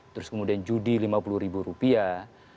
terus kemudian judi lima puluh ribu rupiah